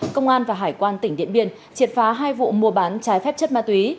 công an và hải quan tỉnh điện biên triệt phá hai vụ mua bán trái phép chất ma túy